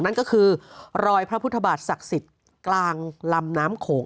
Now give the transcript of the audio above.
นั่นก็คือรอยพระพุทธบาทศักดิ์สิทธิ์กลางลำน้ำโขง